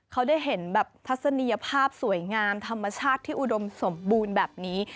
เขาได้เห็นแบบทัศนียภาพสวยงามธรรมชาติที่อุดมสมบูรณ์แบบนี้